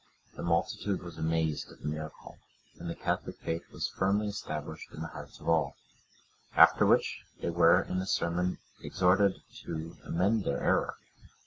The multitude was amazed at the miracle, and the Catholic faith was firmly established in the hearts of all; after which, they were, in a sermon, exhorted to amend their error.